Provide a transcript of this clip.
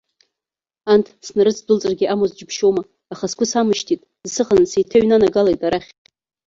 Анҭ снарыцдәылҵыргьы амуаз џьыбшьома, аха сгәы самышьҭит, исыханы сеиҭаҩнанагалеит арахь.